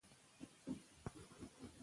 ټول مرکزونه د واکسین لپاره پرانیستي دي.